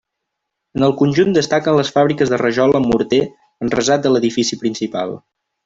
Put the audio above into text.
En el conjunt destaquen les fàbriques de rajola amb morter enrasat de l'edifici principal.